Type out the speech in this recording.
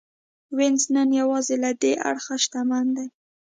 وینز نن یوازې له دې اړخه شتمن دی